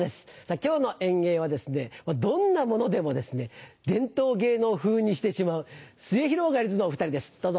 今日の演芸はどんなものでも伝統芸能風にしてしまうすゑひろがりずのお２人ですどうぞ。